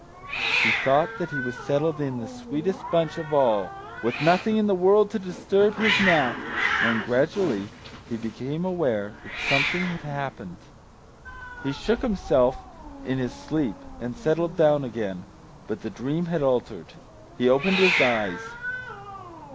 He thought that he was settled in the sweetest bunch of all, with nothing in the world to disturb his nap, when gradually he became aware that something had happened. He shook himself in his sleep and settled down again, but the dream had altered. He opened his eyes.